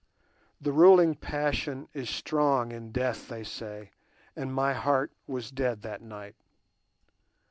The ruling passion is strong in death, they say, and my heart was dead that night.